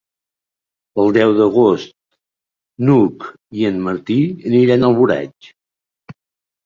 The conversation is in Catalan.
El deu d'agost n'Hug i en Martí aniran a Alboraig.